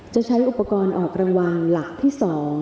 จะใช้อุปกรณ์ออกรางวัลหลักที่๒